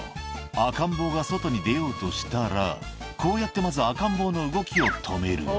「赤ん坊が外に出ようとしたらこうやってまず赤ん坊の動きを止める」